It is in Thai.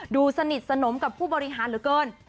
สนิทสนมกับผู้บริหารเหลือเกิน